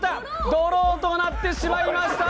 ドローとなってしまいました。